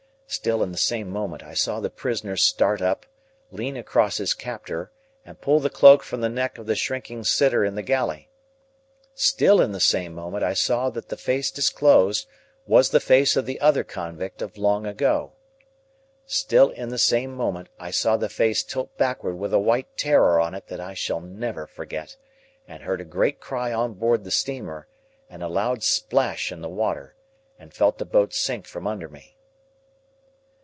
Still, in the same moment, I saw the prisoner start up, lean across his captor, and pull the cloak from the neck of the shrinking sitter in the galley. Still in the same moment, I saw that the face disclosed, was the face of the other convict of long ago. Still, in the same moment, I saw the face tilt backward with a white terror on it that I shall never forget, and heard a great cry on board the steamer, and a loud splash in the water, and felt the boat sink from under me.